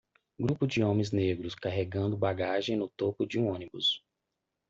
Grupo de homens negros carregando bagagem no topo de um ônibus